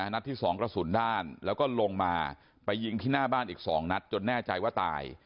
นัดที่๒กระสุนด้านแล้วก็ลงมาไปยิงที่หน้าบ้านอีก๒นัดจนแน่ใจว่าตาย